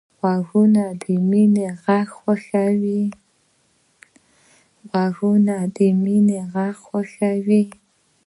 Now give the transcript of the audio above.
غوږونه د مینې غږ خوښوي